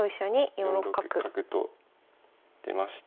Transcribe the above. ４六角と出まして。